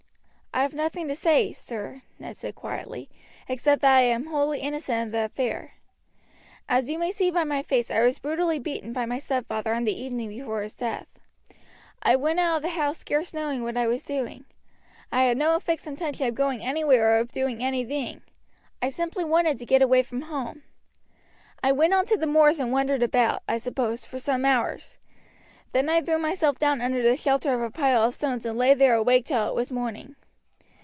"I have nothing to say, sir," Ned said quietly, "except that I am wholly innocent of the affair. As you may see by my face I was brutally beaten by my stepfather on the evening before his death. I went out of the house scarce knowing what I was doing. I had no fixed intention of going anywhere or of doing anything, I simply wanted to get away from home. I went on to the moors and wandered about, I suppose for some hours. Then I threw myself down under the shelter of a pile of stones and lay there awake till it was morning.